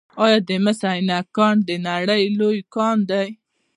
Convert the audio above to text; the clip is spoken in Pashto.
آیا د مس عینک کان د نړۍ لوی کان دی؟